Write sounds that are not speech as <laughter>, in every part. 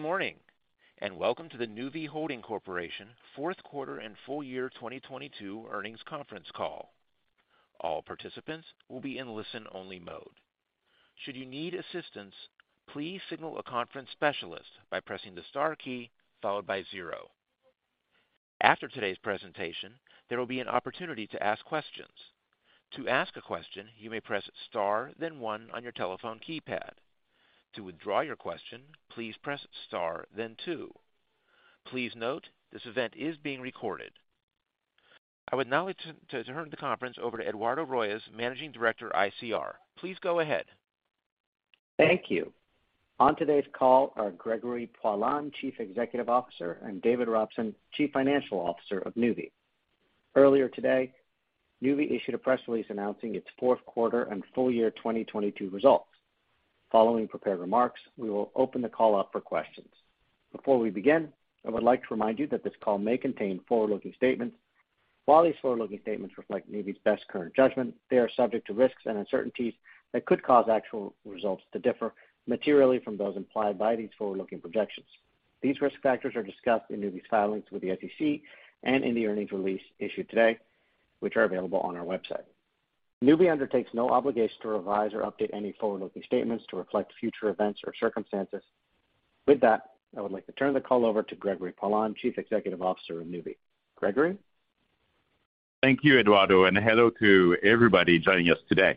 Good morning, welcome to the Nuvve Holding Corporation Fourth Quarter and Full Year 2022 Earnings Conference Call. All participants will be in listen-only mode. Should you need assistance, please signal a conference specialist by pressing the star key followed by zero. After today's presentation, there will be an opportunity to ask questions. To ask a question, you may press star then one on your telephone keypad. To withdraw your question, please press star then two. Please note this event is being recorded. I would now like to turn the conference over to Eduardo Royes, Managing Director, ICR. Please go ahead. Thank you. On today's call are Gregory Poilasne, Chief Executive Officer, and David Robson, Chief Financial Officer of Nuvve. Earlier today, Nuvve issued a press release announcing its fourth quarter and full year 2022 results. Following prepared remarks, we will open the call up for questions. Before we begin, I would like to remind you that this call may contain forward-looking statements. While these forward-looking statements reflect Nuvve's best current judgment, they are subject to risks and uncertainties that could cause actual results to differ materially from those implied by these forward-looking projections. These risk factors are discussed in Nuvve's filings with the SEC and in the earnings release issued today, which are available on our website. Nuvve undertakes no obligation to revise or update any forward-looking statements to reflect future events or circumstances. With that, I would like to turn the call over to Gregory Poilasne, Chief Executive Officer of Nuvve. Gregory? Thank you, Eduardo, and hello to everybody joining us today.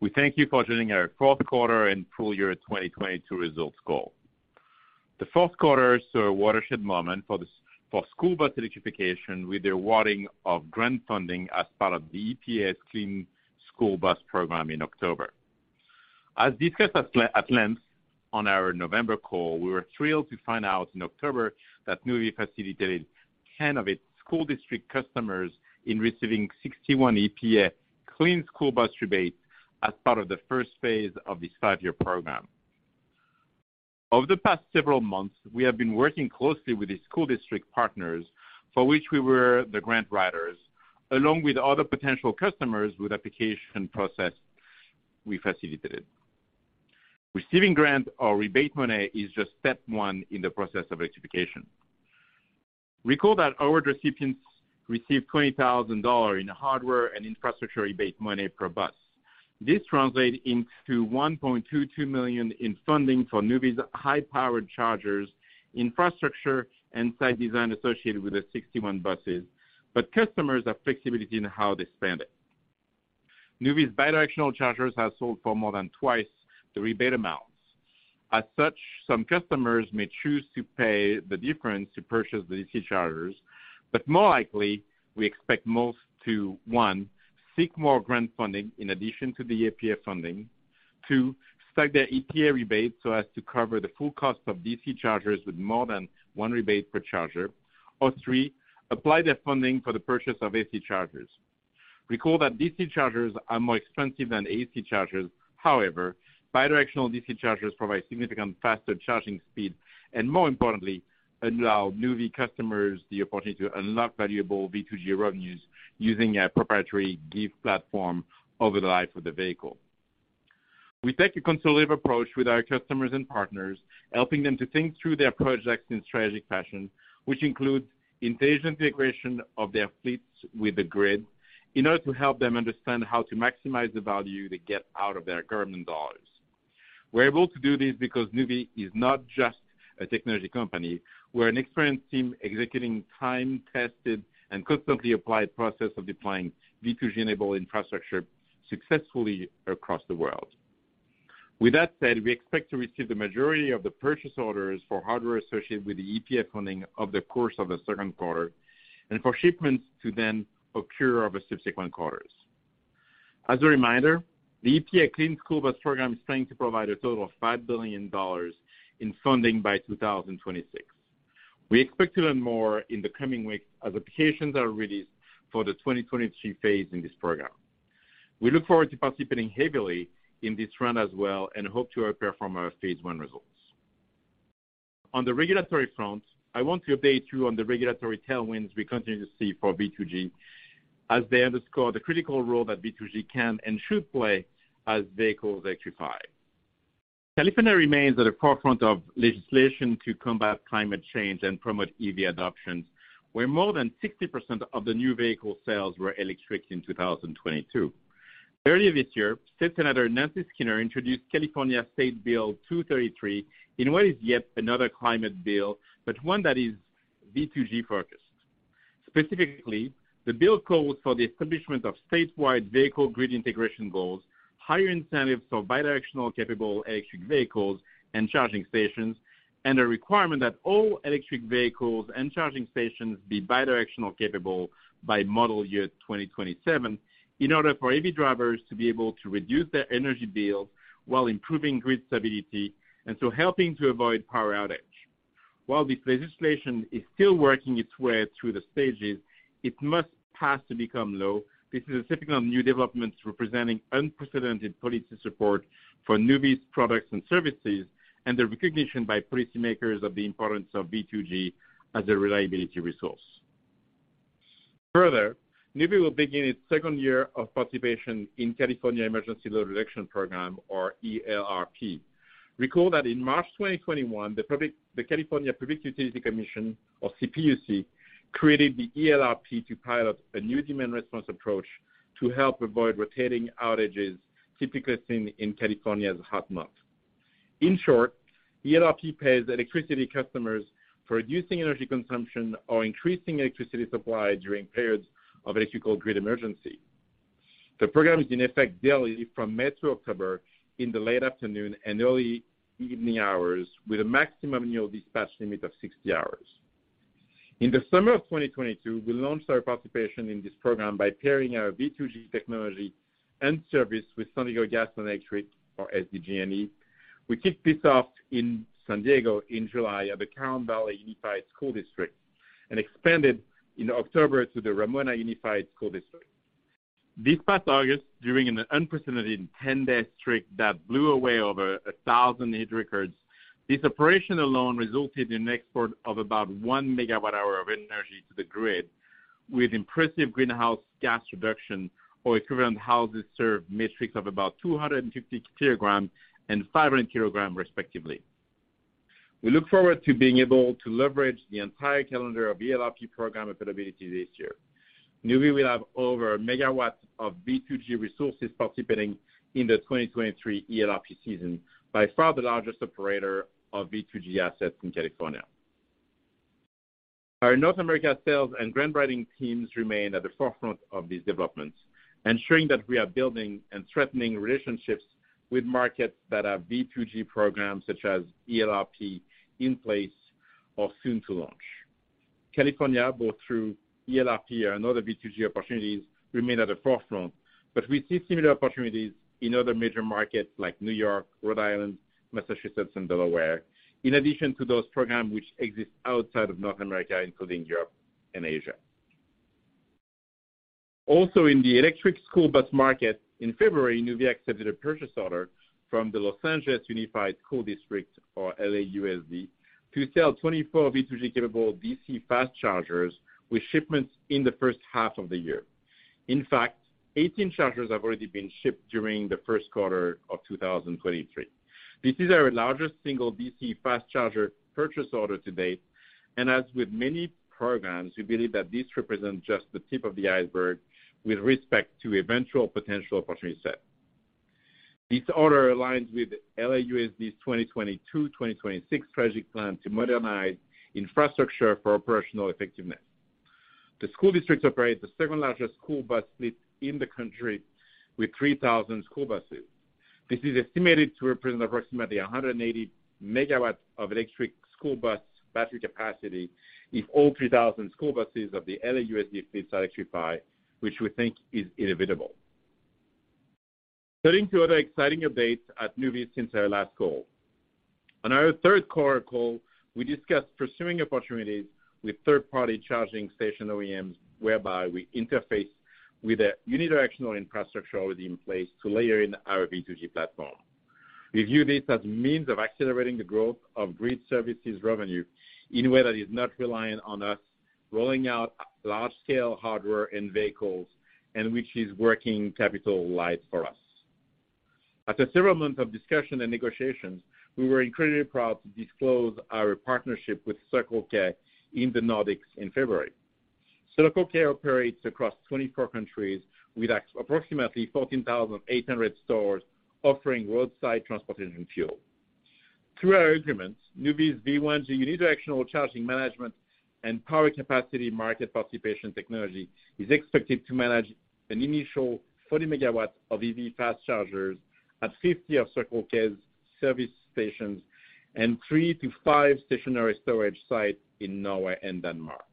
We thank you for joining our fourth quarter and full year 2022 results call. The fourth quarter saw a watershed moment for the for-school bus electrification with the awarding of grant funding as part of the EPA's Clean School Bus Program in October. As discussed at length on our November call, we were thrilled to find out in October that Nuvve facilitated 10 of its school district customers in receiving 61 EPA Clean School Bus rebates as part of the first phase of this five-year program. Over the past several months, we have been working closely with the school district partners for which we were the grant writers, along with other potential customers with application process we facilitated. Receiving grant or rebate money is just step one in the process of electrification. Recall that award recipients received $20,000 in hardware and infrastructure rebate money per bus. This translate into $1.22 million in funding for Nuvve's high-powered chargers, infrastructure, and site design associated with the 61 buses, customers have flexibility in how they spend it. Nuvve's bidirectional chargers have sold for more than twice the rebate amounts. As such, some customers may choose to pay the difference to purchase the DC chargers. More likely, we expect most to, one, seek more grant funding in addition to the EPA funding. two, stack their EPA rebate so as to cover the full cost of DC chargers with more than one rebate per charger. three, apply their funding for the purchase of AC chargers. Recall that DC chargers are more expensive than AC chargers. Bidirectional DC chargers provide significant faster charging speed, and more importantly, allow Nuvve customers the opportunity to unlock valuable V2G revenues using our proprietary GIVe platform over the life of the vehicle. We take a consultative approach with our customers and partners, helping them to think through their projects in strategic fashion, which includes intelligent integration of their fleets with the grid in order to help them understand how to maximize the value they get out of their government dollars. We're able to do this because Nuvve is not just a technology company. We're an experienced team executing time-tested and constantly applied process of deploying V2G-enabled infrastructure successfully across the world. With that said, we expect to receive the majority of the purchase orders for hardware associated with the EPA funding over the course of the second quarter, and for shipments to then occur over subsequent quarters. As a reminder, the EPA Clean School Bus Program is planning to provide a total of $5 billion in funding by 2026. We expect to learn more in the coming weeks as applications are released for the 2022 phase in this program. We look forward to participating heavily in this round as well and hope to outperform our phase one results. On the regulatory front, I want to update you on the regulatory tailwinds we continue to see for V2G as they underscore the critical role that V2G can and should play as vehicles electrify. California remains at the forefront of legislation to combat climate change and promote EV adoption, where more than 60% of the new vehicle sales were electric in 2022. Earlier this year, State Senator Nancy Skinner introduced California Senate Bill 233 in what is yet another climate bill, but one that is V2G-focused. Specifically, the bill calls for the establishment of statewide vehicle grid integration goals, higher incentives for bidirectional-capable electric vehicles and charging stations, and a requirement that all electric vehicles and charging stations be bidirectional-capable by model year 2027 in order for EV drivers to be able to reduce their energy bills while improving grid stability, and so helping to avoid power outage. While this legislation is still working its way through the stages, it must pass to become law. This is a significant new development representing unprecedented policy support for Nuvve's products and services, and the recognition by policymakers of the importance of V2G as a reliability resource. Nuvve will begin its second year of participation in California Emergency Load Reduction Program or ELRP. Recall that in March 2021, the California Public Utilities Commission, or CPUC, created the ELRP to pilot a new demand response approach to help avoid rotating outages typically seen in California's hot months. In short, ELRP pays electricity customers for reducing energy consumption or increasing electricity supply during periods of electrical grid emergency. The program is in effect daily from May to October in the late afternoon and early evening hours, with a maximum annual dispatch limit of 60 hours. In the summer of 2022, we launched our participation in this program by pairing our V2G technology and service with San Diego Gas & Electric, or SDG&E. We kicked this off in San Diego in July at the Carmel Valley Unified School District and expanded in October to the Ramona Unified School District. This past August, during an unprecedented 10-day streak that blew away over 1,000 heat records, this operation alone resulted in export of about 1 MWh of energy to the grid, with impressive greenhouse gas reduction or equivalent houses served metrics of about 250 kg and 500 kg, respectively. We look forward to being able to leverage the entire calendar of ELRP program availability this year. Nuvve will have over 1 MW of V2G resources participating in the 2023 ELRP season, by far the largest operator of V2G assets in California. Our North America sales and grant writing teams remain at the forefront of these developments, ensuring that we are building and strengthening relationships with markets that have V2G programs such as ELRP in place or soon to launch. California, both through ELRP and other V2G opportunities, remain at the forefront, but we see similar opportunities in other major markets like New York, Rhode Island, Massachusetts, and Delaware, in addition to those programs which exist outside of North America, including Europe and Asia. In the electric school bus market, in February, Nuvve accepted a purchase order from the Los Angeles Unified School District, or LAUSD, to sell 24 V2G-capable DC fast chargers with shipments in the first half of the year. In fact, 18 chargers have already been shipped during the first quarter of 2023. This is our largest single DC fast charger purchase order to date, and as with many programs, we believe that this represents just the tip of the iceberg with respect to eventual potential opportunity set. This order aligns with LAUSD's 2022-2026 strategic plan to modernize infrastructure for operational effectiveness. The school district operates the second-largest school bus fleet in the country with 3,000 school buses. This is estimated to represent approximately 180 MW of electric school bus battery capacity if all 3,000 school buses of the LAUSD fleet are electrified, which we think is inevitable. Turning to other exciting updates at Nuvve since our last call. On our third quarter call, we discussed pursuing opportunities with third-party charging station OEMs, whereby we interface with a unidirectional infrastructure already in place to layer in our V2G platform. We view this as a means of accelerating the growth of grid services revenue in a way that is not reliant on us rolling out large-scale hardware and vehicles, and which is working capital light for us. After several months of discussion and negotiations, we were incredibly proud to disclose our partnership with Circle K in the Nordics in February. Circle K operates across 24 countries with approximately 14,800 stores offering roadside transportation and fuel. Through our agreement, Nuvve's V1G unidirectional charging management and power capacity market participation technology is expected to manage an initial 40 megawatts of EV fast chargers at 50 of Circle K's service stations and three to five stationary storage sites in Norway and Denmark.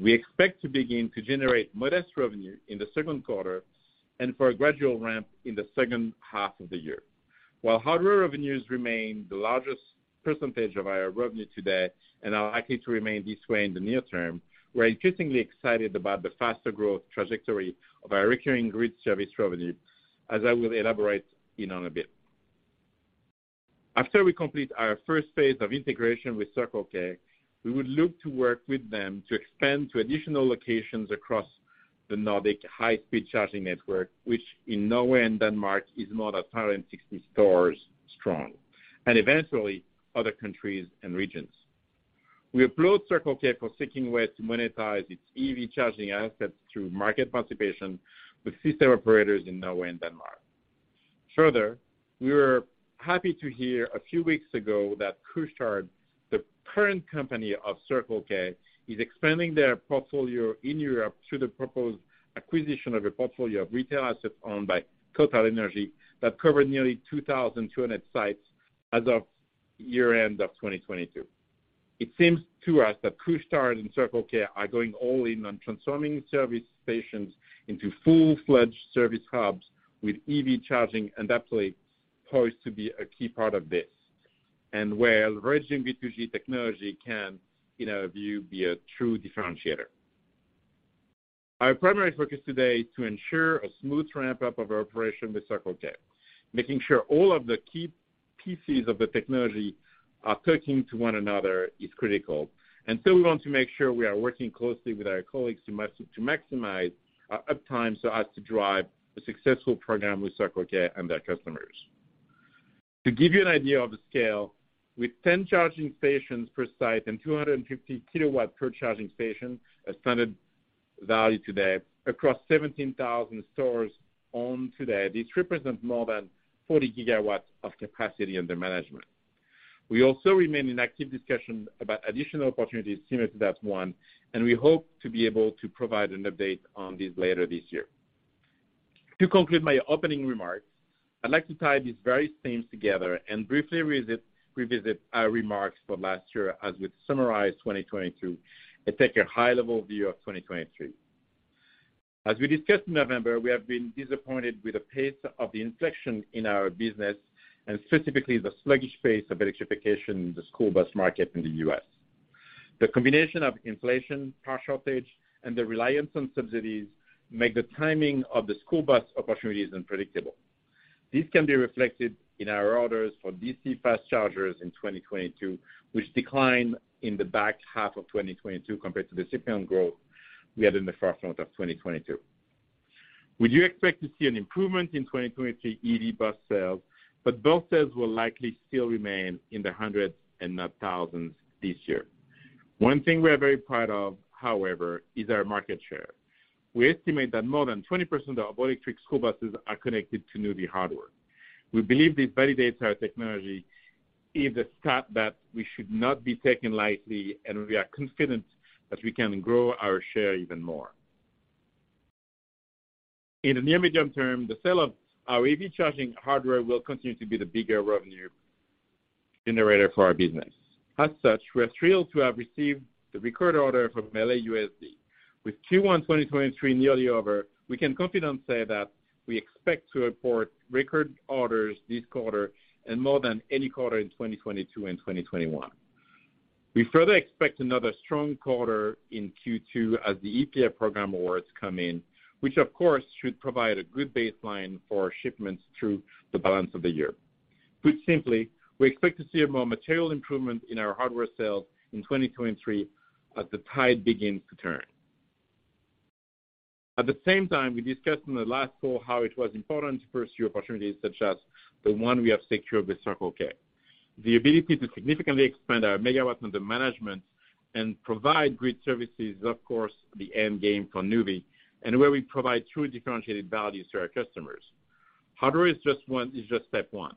We expect to begin to generate modest revenue in the second quarter and for a gradual ramp in the second half of the year. While hardware revenues remain the largest percentage of our revenue today and are likely to remain this way in the near term, we're increasingly excited about the faster growth trajectory of our recurring grid service revenue, as I will elaborate on a bit. After we complete our first phase of integration with Circle K, we will look to work with them to expand to additional locations across the Nordic high-speed charging network, which in Norway and Denmark is more than 600 stores strong, and eventually other countries and regions. We applaud Circle K for seeking ways to monetize its EV charging assets through market participation with system operators in Norway and Denmark. Further, we were happy to hear a few weeks ago that Couche-Tard, the parent company of Circle K, is expanding their portfolio in Europe through the proposed acquisition of a portfolio of retail assets owned by TotalEnergies that cover nearly 2,200 sites as of year-end of 2022. It seems to us that Couche-Tard and Circle K are going all in on transforming service stations into full-fledged service hubs with EV charging undoubtedly poised to be a key part of this, and where leveraging V2G technology can, in our view, be a true differentiator. Our primary focus today to ensure a smooth ramp-up of our operation with Circle K, making sure all of the key pieces of the technology are talking to one another is critical. We want to make sure we are working closely with our colleagues to maximize our uptime so as to drive a successful program with Circle K and their customers. To give you an idea of the scale, with 10 charging stations per site and 250 kW per charging station, a standard value today, across 17,000 stores owned today, this represents more than 40 GW of capacity under management. We also remain in active discussion about additional opportunities similar to that one, and we hope to be able to provide an update on this later this year. To conclude my opening remarks, I'd like to tie these various themes together and briefly revisit our remarks from last year as we summarize 2022 and take a high-level view of 2023. As we discussed in November, we have been disappointed with the pace of the inflection in our business and specifically the sluggish pace of electrification in the school bus market in the U.S. The combination of inflation, car shortage, and the reliance on subsidies make the timing of the school bus opportunities unpredictable. This can be reflected in our orders for DC fast chargers in 2022, which declined in the back half of 2022 compared to the significant growth we had in the first half of 2022. We do expect to see an improvement in 2023 EV bus sales, those sales will likely still remain in the hundreds and not thousands this year. One thing we are very proud of, however, is our market share. We estimate that more than 20% of all electric school buses are connected to Nuvve hardware. We believe this validates our technology is a stat that we should not be taken lightly, and we are confident that we can grow our share even more. In the near medium term, the sale of our EV charging hardware will continue to be the bigger revenue generator for our business. As such, we are thrilled to have received the record order from LAUSD. With Q1 2023 nearly over, we can confidently say that we expect to report record orders this quarter and more than any quarter in 2022 and 2021. We further expect another strong quarter in Q2 as the EPA program awards come in, which of course should provide a good baseline for shipments through the balance of the year. Put simply, we expect to see a more material improvement in our hardware sales in 2023 as the tide begins to turn. At the same time, we discussed in the last call how it was important to pursue opportunities such as the one we have secured with Circle K. The ability to significantly expand our megawatts under management and provide grid services is, of course, the end game for Nuvve and where we provide true differentiated values to our customers. Hardware is just step one.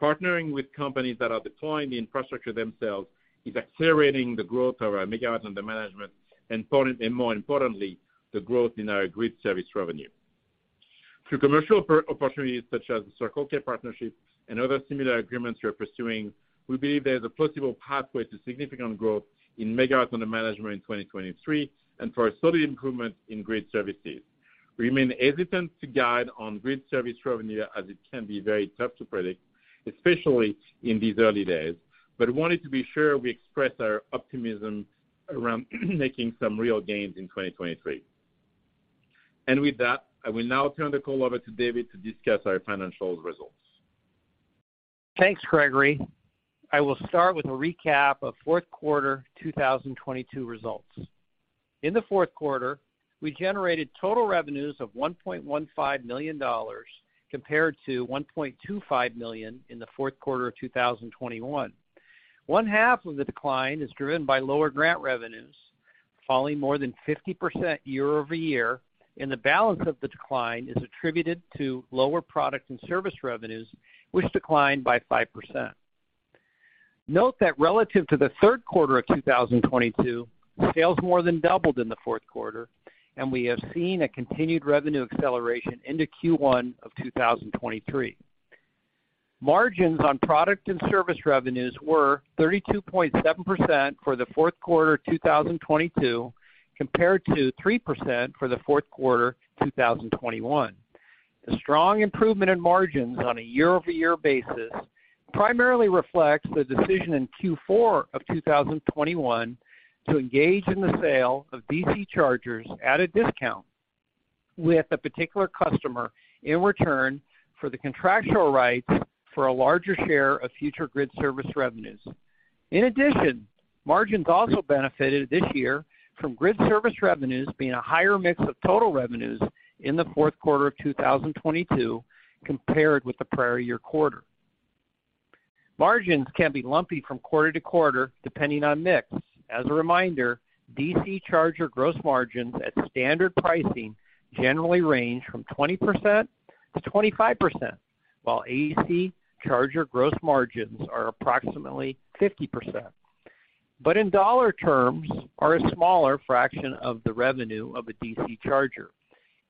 Partnering with companies that are deploying the infrastructure themselves is accelerating the growth of our megawatts under management and more importantly, the growth in our grid service revenue. Through commercial opportunities such as the Circle K partnership and other similar agreements we are pursuing, we believe there is a plausible pathway to significant growth in megawatts under management in 2023 and for a solid improvement in grid services. We remain hesitant to guide on grid service revenue as it can be very tough to predict, especially in these early days, but wanted to be sure we express our optimism around making some real gains in 2023. With that, I will now turn the call over to David to discuss our financial results. Thanks, Gregory. I will start with a recap of fourth quarter 2022 results. In the fourth quarter, we generated total revenues of $1.15 million compared to $1.25 million in the fourth quarter of 2021. 1/2 of the decline is driven by lower grant revenues, falling more than 50% year-over-year. The balance of the decline is attributed to lower product and service revenues, which declined by 5%. Note that relative to the third quarter of 2022, sales more than doubled in the fourth quarter. We have seen a continued revenue acceleration into Q1 of 2023. Margins on product and service revenues were 32.7% for the fourth quarter 2022, compared to 3% for the fourth quarter 2021. The strong improvement in margins on a year-over-year basis primarily reflects the decision in Q4 of 2021 to engage in the sale of DC chargers at a discount with a particular customer in return for the contractual rights for a larger share of future grid service revenues. In addition, margins also benefited this year from grid service revenues being a higher mix of total revenues in the fourth quarter of 2022 compared with the prior year quarter. Margins can be lumpy from quarter to quarter, depending on mix. As a reminder, DC charger gross margins at standard pricing generally range from 20%-25%, while AC charger gross margins are approximately 50%. In dollar terms are a smaller fraction of the revenue of a DC charger.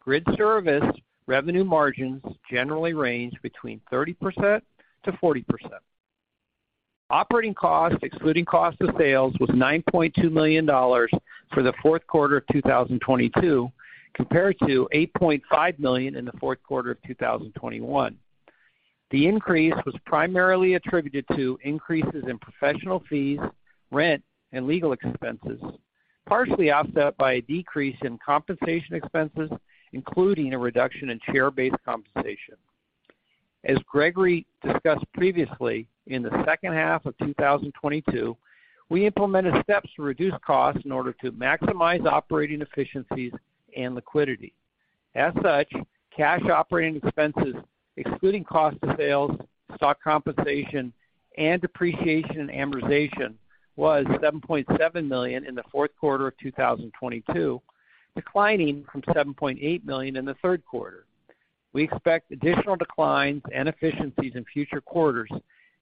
Grid service revenue margins generally range between 30%-40%. Operating costs, excluding cost of sales, was $9.2 million for the fourth quarter of 2022, compared to $8.5 million in the fourth quarter of 2021. The increase was primarily attributed to increases in professional fees, rent, and legal expenses. Partially offset by a decrease in compensation expenses, including a reduction in share-based compensation. As Gregory discussed previously, in the second half of 2022, we implemented steps to reduce costs in order to maximize operating efficiencies and liquidity. As such, cash operating expenses, excluding cost of sales, stock compensation, and depreciation and amortization, was $7.7 million in the fourth quarter of 2022, declining from $7.8 million in the third quarter. We expect additional declines and efficiencies in future quarters,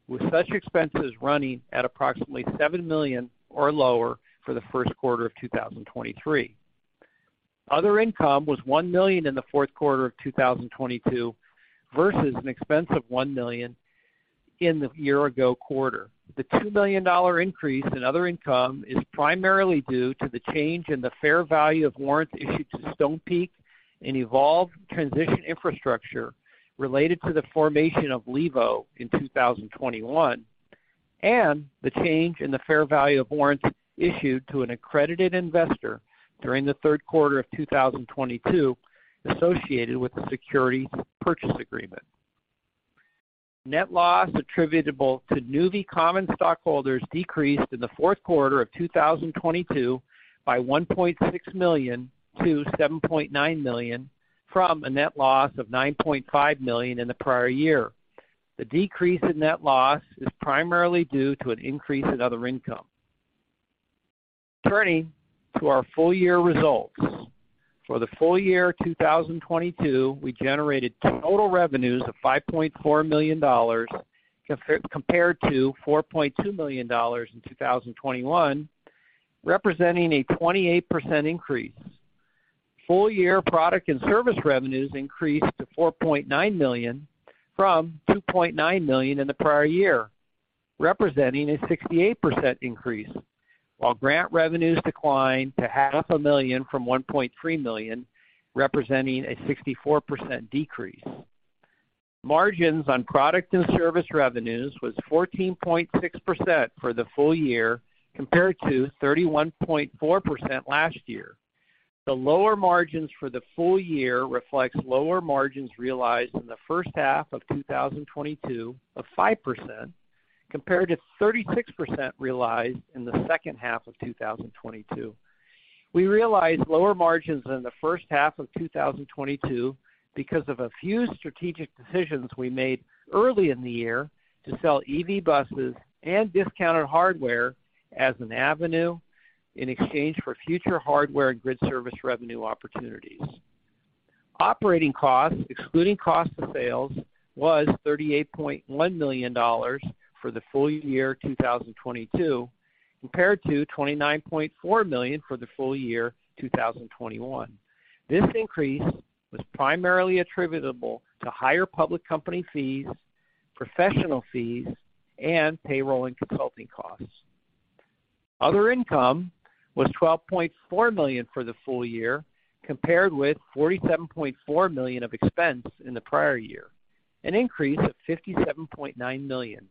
with such expenses running at approximately $7 million or lower for the first quarter of 2023. Other income was $1 million in the fourth quarter of 2022 versus an expense of $1 million in the year-ago quarter. The $2 million increase in other income is primarily due to the change in the fair value of warrants issued to Stonepeak and Evolve Transition Infrastructure related to the formation of Levo in 2021, and the change in the fair value of warrants issued to an accredited investor during the third quarter of 2022 associated with the securities purchase agreement. Net loss attributable to Nuvve common stockholders decreased in the fourth quarter of 2022 by $1.6 million-$7.9 million from a net loss of $9.5 million in the prior year. The decrease in net loss is primarily due to an increase in other income. Turning to our full-year results. For the full year 2022, we generated total revenues of $5.4 million compared to $4.2 million in 2021, representing a 28% increase. Full-year product and service revenues increased to $4.9 million from $2.9 million in the prior year, representing a 68% increase. While grant revenues declined to half a million from $1.3 million, representing a 64% decrease. Margins on product and service revenues was 14.6% for the full year compared to 31.4% last year. The lower margins for the full year reflects lower margins realized in the first half of 2022 of 5% compared to 36% realized in the second half of 2022. We realized lower margins in the first half of 2022 because of a few strategic decisions we made early in the year to sell EV buses and discounted hardware as an avenue in exchange for future hardware and grid service revenue opportunities. Operating costs, excluding cost of sales, was $38.1 million for the full year 2022, compared to $29.4 million for the full year 2021. This increase was primarily attributable to higher public company fees, professional fees, and payroll and consulting costs. Other income was $12.4 million for the full year, compared with $47.4 million of expense in the prior year, an increase of $57.9 million.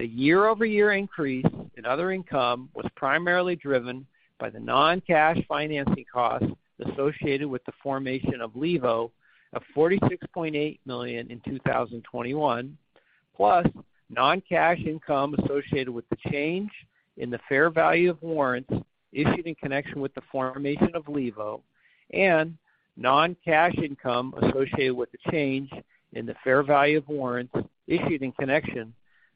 The year-over-year increase in other income was primarily driven by the non-cash financing costs associated with the formation of Levo of $46.8 million in 2021, plus non-cash income associated with the change in the fair value of warrants issued in connection with the formation of Levo, and non-cash income associated with the change in the fair value of warrants issued in connection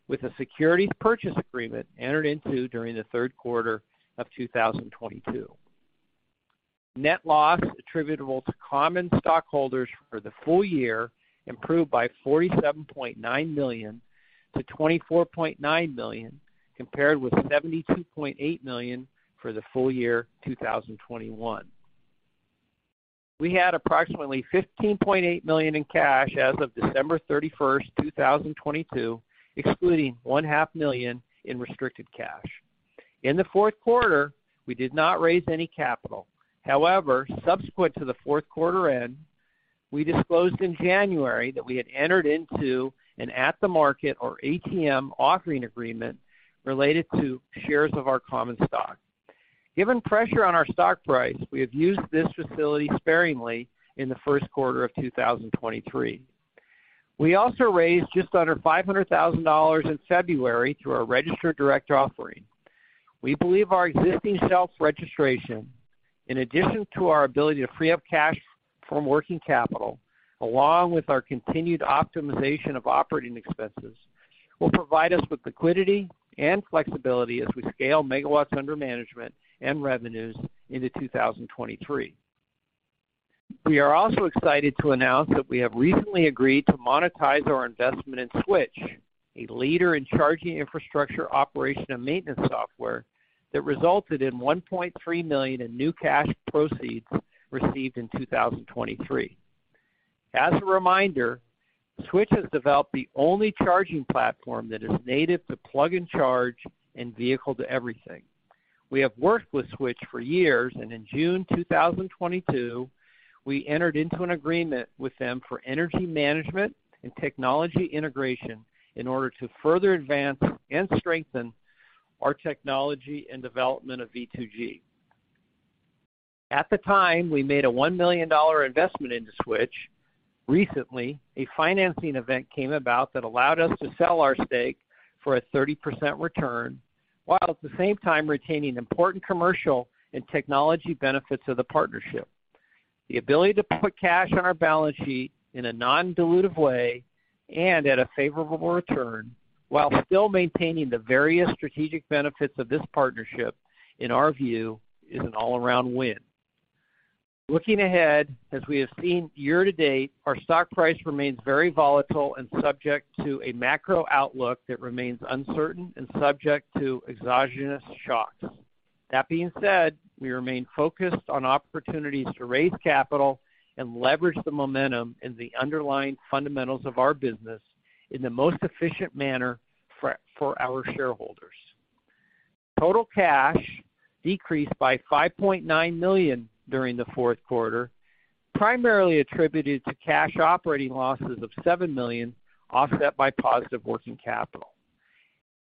with a securities purchase agreement entered into during the third quarter of 2022. Net loss attributable to common stockholders for the full year improved by $47.9 million-$24.9 million, compared with $72.8 million for the full year 2021. We had approximately $15.8 million in cash as of December 31st, 2022, excluding 1/2 million in restricted cash. In the fourth quarter, we did not raise any capital. Subsequent to the fourth quarter end, we disclosed in January that we had entered into an at-the-market or ATM offering agreement related to shares of our common stock. Given pressure on our stock price, we have used this facility sparingly in the first quarter of 2023. We also raised just under $500,000 in February through our registered direct offering. We believe our existing shelf registration, in addition to our ability to free up cash from working capital, along with our continued optimization of operating expenses, will provide us with liquidity and flexibility as we scale megawatts under management and revenues into 2023. We are also excited to announce that we have recently agreed to monetize our investment in SWTCH, a leader in charging infrastructure operation and maintenance software that resulted in $1.3 million in new cash proceeds received in 2023. As a reminder, SWTCH has developed the only charging platform that is native to Plug and Charge and vehicle-to-everything. We have worked with SWTCH for years. In June 2022, we entered into an agreement with them for energy management and technology integration in order to further advance and strengthen our technology and development of V2G. At the time, we made a $1 million investment into SWTCH. Recently, a financing event came about that allowed us to sell our stake for a 30% return, while at the same time retaining important commercial and technology benefits of the partnership. The ability to put cash on our balance sheet in a non-dilutive way and at a favorable return, while still maintaining the various strategic benefits of this partnership, in our view, is an all-around win. Looking ahead, as we have seen year-to-date, our stock price remains very volatile and subject to a macro outlook that remains uncertain and subject to exogenous shocks. That being said, we remain focused on opportunities to raise capital and leverage the momentum in the underlying fundamentals of our business in the most efficient manner for our shareholders. Total cash decreased by $5.9 million during the fourth quarter, primarily attributed to cash operating losses of $7 million, offset by positive working capital.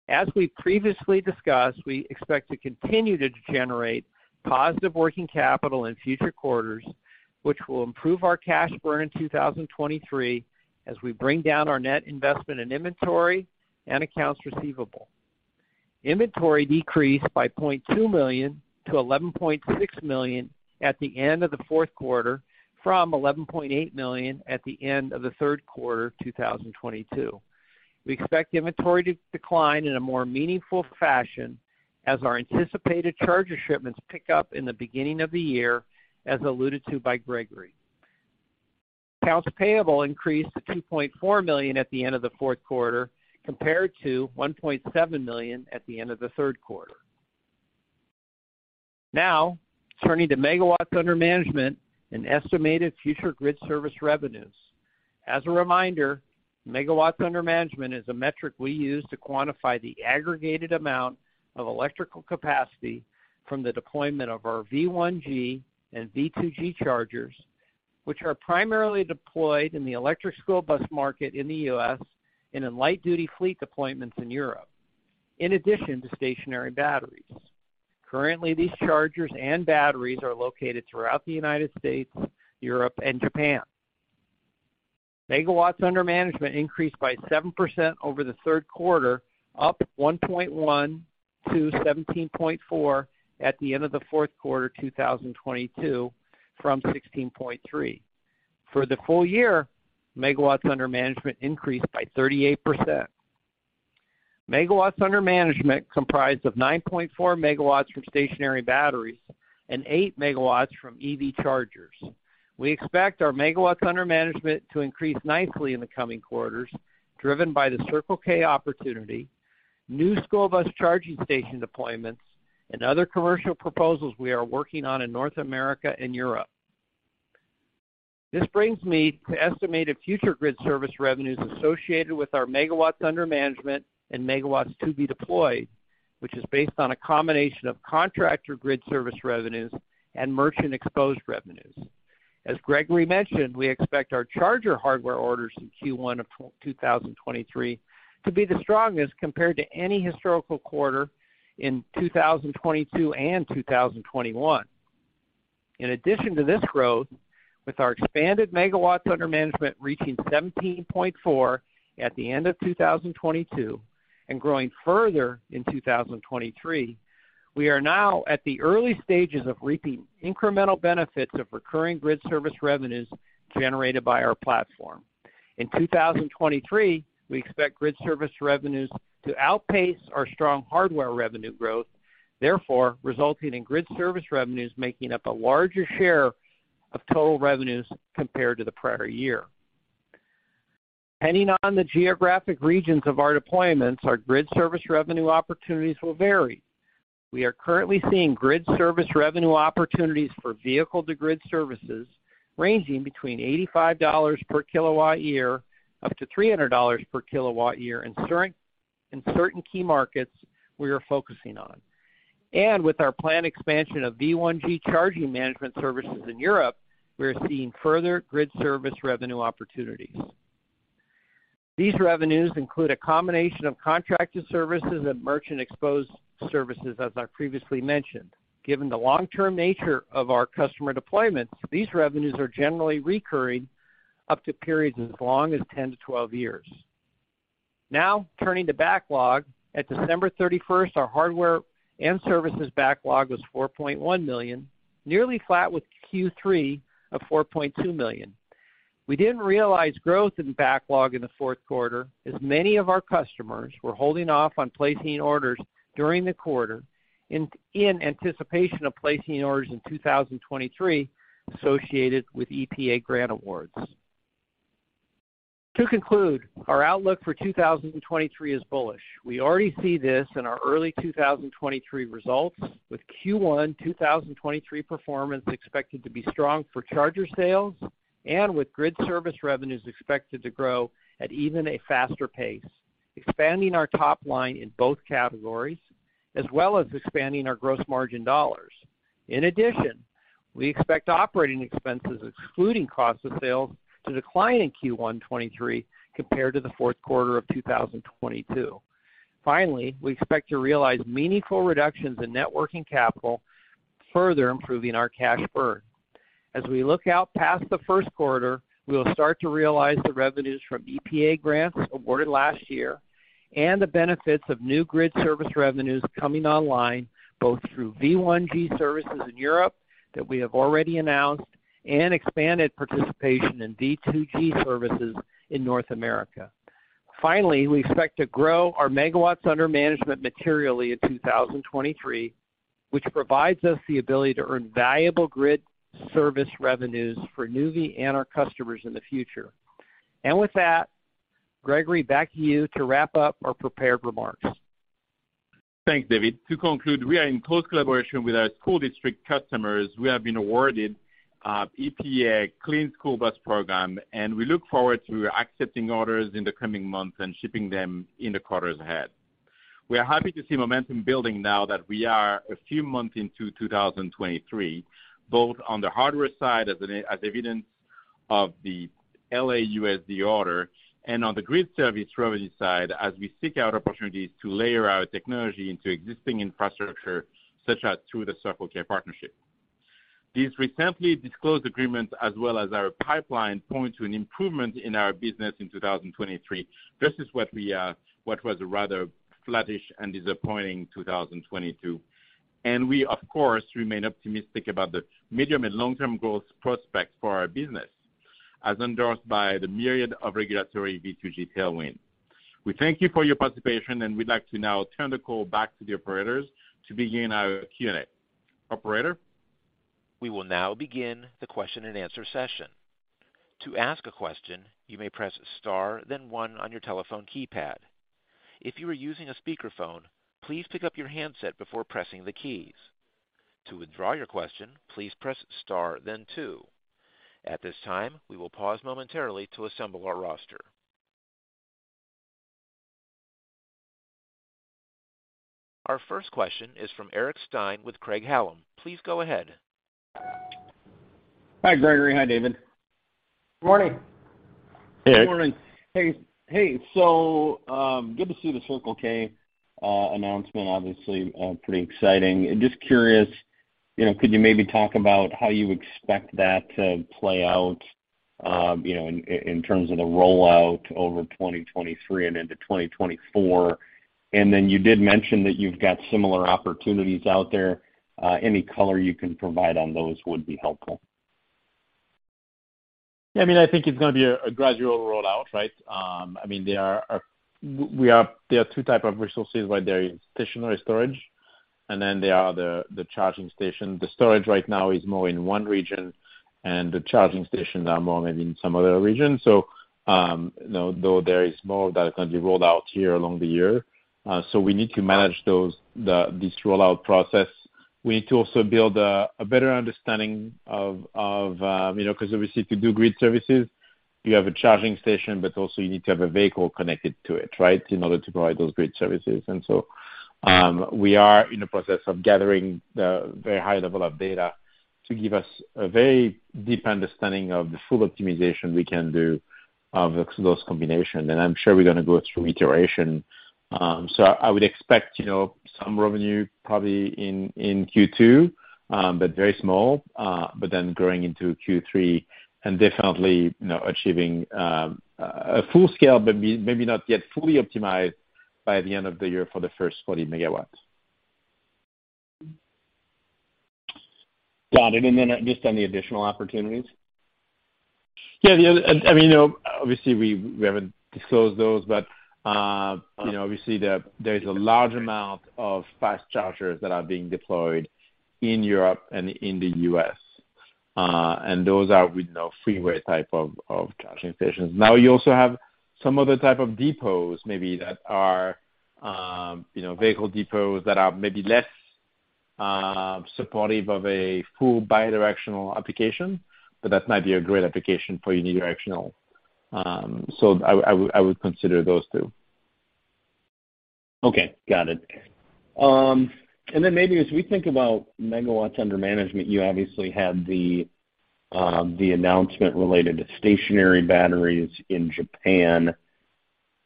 As we previously discussed, we expect to continue to generate positive working capital in future quarters, which will improve our cash burn in 2023 as we bring down our net investment in inventory and accounts receivable. Inventory decreased by $0.2 million-$11.6 million at the end of the fourth quarter from $11.8 million at the end of the third quarter 2022. We expect inventory to decline in a more meaningful fashion as our anticipated charger shipments pick up in the beginning of the year, as alluded to by Gregory. Accounts payable increased to $2.4 million at the end of the fourth quarter compared to $1.7 million at the end of the third quarter. Turning to megawatts under management and estimated future grid service revenues. As a reminder, megawatts under management is a metric we use to quantify the aggregated amount of electrical capacity from the deployment of our V1G and V2G chargers, which are primarily deployed in the electric school bus market in the U.S. and in light-duty fleet deployments in Europe, in addition to stationary batteries. Currently, these chargers and batteries are located throughout the United States, Europe, and Japan. Megawatts under management increased by 7% over the third quarter, up 1.1%-17.4% at the end of the fourth quarter 2022 from 16.3%. For the full year, megawatts under management increased by 38%. Megawatts under management comprised of 9.4 MW from stationary batteries and 8 MW from EV chargers. We expect our megawatts under management to increase nicely in the coming quarters, driven by the Circle K opportunity, new school bus charging station deployments, and other commercial proposals we are working on in North America and Europe. This brings me to estimated future grid service revenues associated with our megawatts under management and megawatts to be deployed, which is based on a combination of contractor grid service revenues and merchant exposed revenues. As Gregory mentioned, we expect our charger hardware orders in Q1 of 2023 to be the strongest compared to any historical quarter in 2022 and 2021. In addition to this growth, with our expanded megawatts under management reaching 17.4% at the end of 2022 and growing further in 2023, we are now at the early stages of reaping incremental benefits of recurring grid service revenues generated by our platform. In 2023, we expect grid service revenues to outpace our strong hardware revenue growth, therefore resulting in grid service revenues making up a larger share of total revenues compared to the prior year. Depending on the geographic regions of our deployments, our grid service revenue opportunities will vary. We are currently seeing grid service revenue opportunities for vehicle-to-grid services ranging between $85 per kW year up to $300 per kW year in certain key markets we are focusing on. With our planned expansion of V1G charging management services in Europe, we are seeing further grid service revenue opportunities. These revenues include a combination of contracted services and merchant exposed services, as I previously mentioned. Given the long-term nature of our customer deployments, these revenues are generally recurring up to periods as long as 10-12 years. Turning to backlog. At December 31st, our hardware and services backlog was $4.1 million, nearly flat with Q3 of $4.2 million. We didn't realize growth in backlog in the fourth quarter, as many of our customers were holding off on placing orders during the quarter in anticipation of placing orders in 2023 associated with EPA grant awards. To conclude, our outlook for 2023 is bullish. We already see this in our early 2023 results, with Q1 2023 performance expected to be strong for charger sales and with grid service revenues expected to grow at even a faster pace, expanding our top line in both categories, as well as expanding our gross margin dollars. In addition, we expect operating expenses, excluding cost of sales, to decline in Q1 2023 compared to the fourth quarter of 2022. Finally, we expect to realize meaningful reductions in networking capital, further improving our cash burn. As we look out past the first quarter, we will start to realize the revenues from EPA grants awarded last year and the benefits of new grid service revenues coming online, both through V1G services in Europe that we have already announced and expanded participation in V2G services in North America. Finally, we expect to grow our megawatts under management materially in 2023, which provides us the ability to earn valuable grid service revenues for Nuvve and our customers in the future. With that, Gregory, back to you to wrap up our prepared remarks. Thanks, David. To conclude, we are in close collaboration with our school district customers. We have been awarded EPA Clean School Bus Program, and we look forward to accepting orders in the coming months and shipping them in the quarters ahead. We are happy to see momentum building now that we are a few months into 2023, both on the hardware side as evidence of the LAUSD order and on the grid service revenue side as we seek out opportunities to layer our technology into existing infrastructure, such as through the Circle K partnership. These recently disclosed agreements as well as our pipeline point to an improvement in our business in 2023. This is what we, what was a rather flattish and disappointing 2022. We of course remain optimistic about the medium and long-term growth prospects for our business, as endorsed by the myriad of regulatory V2G tailwind. We thank you for your participation, and we'd like to now turn the call back to the operators to begin our Q&A. Operator? We will now begin the question-and-answer session. To ask a question, you may press star then one on your telephone keypad. If you are using a speakerphone, please pick up your handset before pressing the keys. To withdraw your question, please press star then two. At this time, we will pause momentarily to assemble our roster. Our first question is from Eric Stine with Craig-Hallum. Please go ahead. Hi, Gregory. Hi, David. Good morning. Hey Eric. Good morning. Hey, so good to see the Circle K announcement, obviously, pretty exciting. Just curious, you know, could you maybe talk about how you expect that to play out, you know, in terms of the rollout over 2023 and into 2024? You did mention that you've got similar opportunities out there. Any color you can provide on those would be helpful. I mean, I think it's gonna be a gradual rollout, right? I mean, there are two type of resources, right? There is stationary storage, and then there are the charging station. The storage right now is more in one region, and the charging stations are more maybe in some other region. You know, though there is more that can be rolled out here along the year, so we need to manage those, this rollout process. We need to also build a better understanding of, you know, 'cause obviously to do grid services, you have a charging station, but also you need to have a vehicle connected to it, right? In order to provide those grid services. We are in the process of gathering the very high level of data to give us a very deep understanding of the full optimization we can do of those combination. I'm sure we're gonna go through iteration. I would expect, you know, some revenue probably in Q2, but very small, but then growing into Q3 and definitely, you know, achieving a full scale, but maybe not yet fully optimized by the end of the year for the first. <inaudible> Got it. Just any additional opportunities? Yeah. The other... I mean, you know, obviously we haven't disclosed those, but, you know, obviously there is a large amount of fast chargers that are being deployed in Europe and in the U.S. Those are with no freeway type of charging stations. Now, you also have some other type of depots maybe that are, you know, vehicle depots that are maybe less supportive of a full bidirectional application, but that might be a great application for unidirectional. I would consider those two. Okay. Got it. Then maybe as we think about megawatts under management, you obviously had the announcement related to stationary batteries in Japan.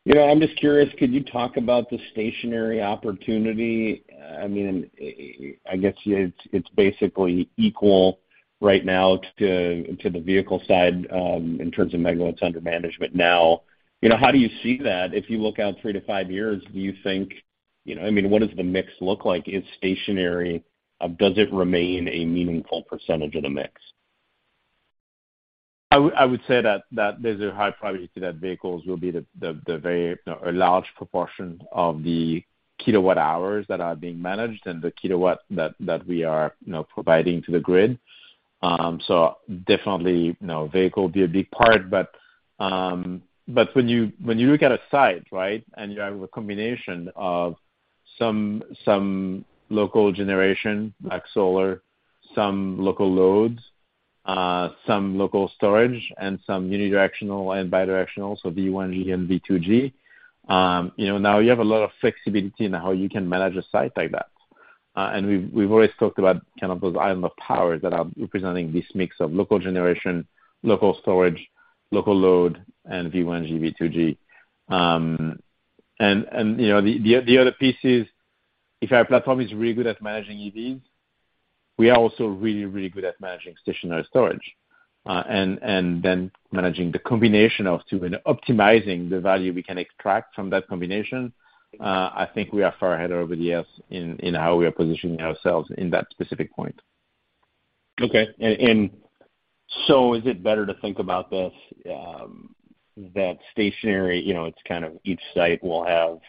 You know, I'm just curious, could you talk about the stationary opportunity? I mean, I guess it's basically equal right now to the vehicle side, in terms of megawatts under management now. You know, how do you see that if you look out three-five years? Do you think, you know... I mean, what does the mix look like? Is stationary, does it remain a meaningful percentage of the mix? I would say that there's a high probability that vehicles will be the very, you know, a large proportion of the kilowatt hours that are being managed and the kilowatt that we are, you know, providing to the grid. Definitely, you know, vehicle will be a big part. When you, when you look at a site, right? You have a combination of some local generation like solar, some local loads, some local storage, and some unidirectional and bidirectional, so V1G and V2G, you know, now you have a lot of flexibility in how you can manage a site like that. We've always talked about kind of those island of power that are representing this mix of local generation, local storage, local load, and V1G, V2G. You know, the other piece is if our platform is really good at managing EVs, we are also really, really good at managing stationary storage. Then managing the combination of two and optimizing the value we can extract from that combination. I think we are far ahead over the years in how we are positioning ourselves in that specific point. Okay. Is it better to think about this, that stationary, you know, it's kind of each site will have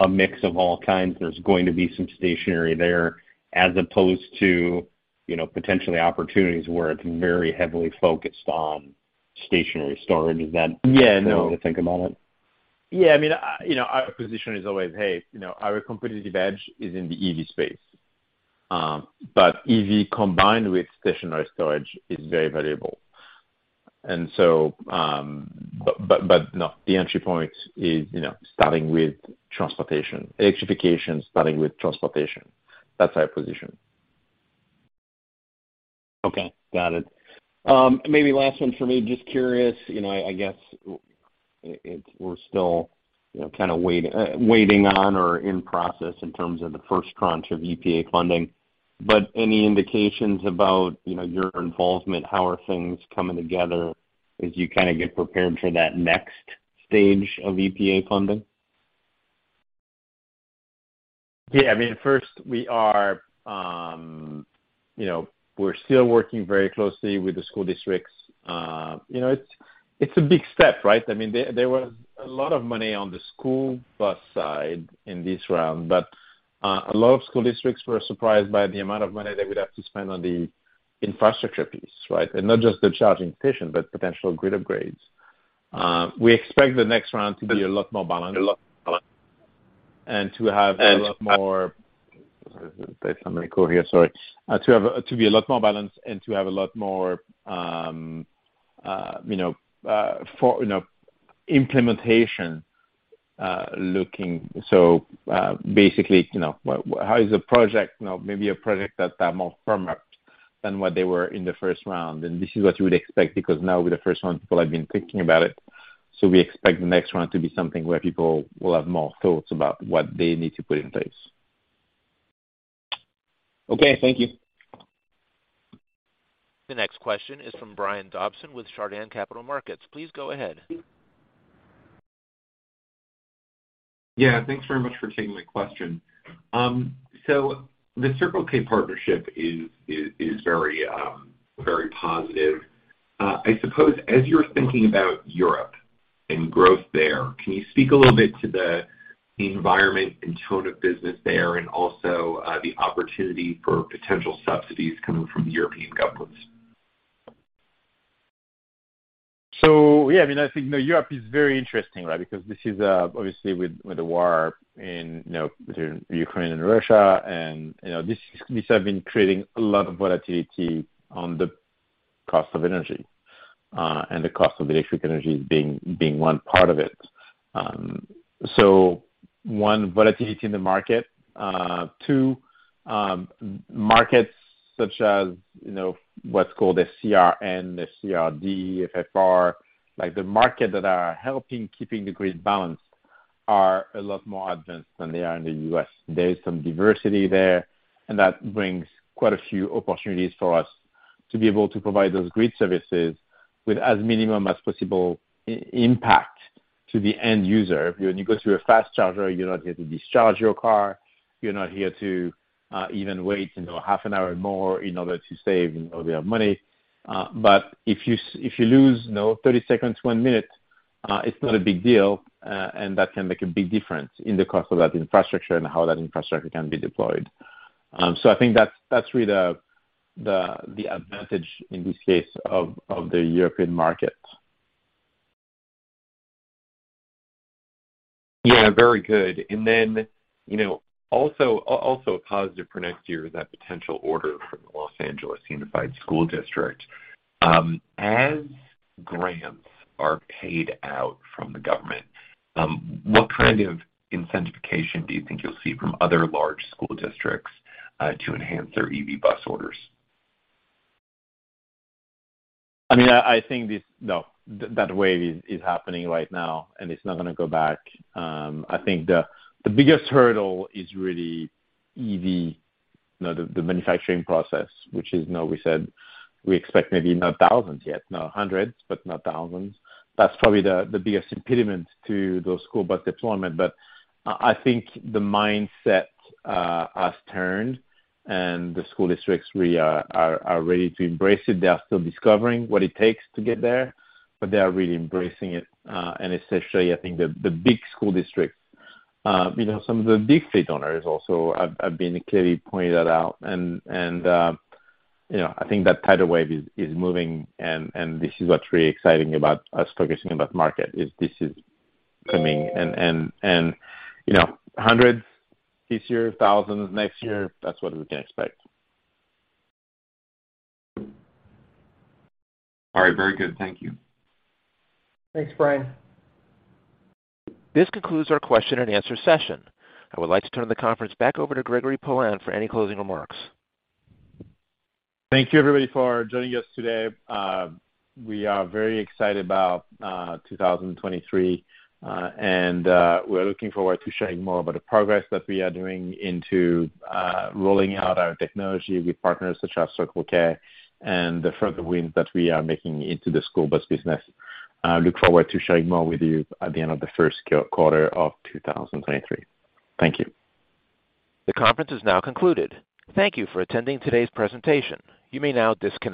a mix of all kinds. There's going to be some stationary there as opposed to, you know, potentially opportunities where it's very heavily focused on stationary storage? Yeah, no The way to think about it? Yeah. I mean, you know, our position is always, hey, you know, our competitive edge is in the EV space. EV combined with stationary storage is very valuable. No, the entry point is, you know, starting with transportation. Electrification starting with transportation. That's our position. Okay. Got it. Maybe last one for me. Just curious, you know, I guess we're still, you know, waiting on or in process in terms of the first crunch of EPA funding. Any indications about, you know, your involvement? How are things coming together as you kinda get prepared for that next stage of EPA funding? I mean, first we are, you know, we're still working very closely with the school districts. You know, it's a big step, right? I mean, there was a lot of money on the school bus side in this round, but a lot of school districts were surprised by the amount of money they would have to spend on the infrastructure piece, right? Not just the charging station, but potential grid upgrades. We expect the next round to be a lot more balanced and to have a lot more... There's somebody cool here. Sorry. to be a lot more balanced and to have a lot more, you know, for, you know, implementation looking. Basically, you know, how is the project? You know, maybe a project that are more firm up than what they were in the first round. This is what you would expect because now with the first one, people have been thinking about it. We expect the next round to be something where people will have more thoughts about what they need to put in place. Okay, thank you. The next question is from Brian Dobson with Chardan Capital Markets. Please go ahead. Yeah. Thanks very much for taking my question. The Circle K partnership is very positive. I suppose as you're thinking about Europe and growth there, can you speak a little bit to the environment and tone of business there and also the opportunity for potential subsidies coming from European governments? Yeah, I mean, I think, you know, Europe is very interesting, right? Because this is obviously with the war in, you know, between Ukraine and Russia and, you know, this have been creating a lot of volatility on the cost of energy, and the cost of electric energy being one part of it. One, volatility in the market. Two, markets such as, you know, what's called the FCR-N, the FCR-D, FFR, like the market that are helping keeping the grid balanced are a lot more advanced than they are in the U.S. There is some diversity there, and that brings quite a few opportunities for us to be able to provide those grid services with as minimum as possible impact to the end user. When you go to a fast charger, you're not here to discharge your car. You're not here to even wait, you know, half an hour more in order to save, you know, their money. If you lose, you know, 30 seconds to one minute, it's not a big deal. That can make a big difference in the cost of that infrastructure and how that infrastructure can be deployed. I think that's really the, the advantage in this case of the European market. Yeah, very good. You know, also a positive for next year is that potential order from the Los Angeles Unified School District. As grants are paid out from the government, what kind of incentivization do you think you'll see from other large school districts to enhance their EV bus orders? I mean, I think that wave is happening right now and it's not gonna go back. I think the biggest hurdle is really EV. You know, the manufacturing process, which is, you know, we said we expect maybe not thousands yet, no hundreds, but not thousands. That's probably the biggest impediment to those school bus deployment. I think the mindset has turned and the school districts really are ready to embrace it. They are still discovering what it takes to get there, but they are really embracing it. Especially I think the big school districts, you know, some of the big fleet owners also have been clearly pointed that out. You know, I think that tidal wave is moving and this is what's really exciting about us focusing on that market, is this is coming and, you know, hundreds this year, thousands next year. That's what we can expect. All right. Very good. Thank you. Thanks, Brian. This concludes our question and answer session. I would like to turn the conference back over to Gregory Poilasne for any closing remarks. Thank you everybody for joining us today. We are very excited about 2023, and we're looking forward to sharing more about the progress that we are doing into rolling out our technology with partners such as Circle K and the further wins that we are making into the school bus business. I look forward to sharing more with you at the end of the first quarter of 2023. Thank you. The conference is now concluded. Thank you for attending today's presentation. You may now disconnect.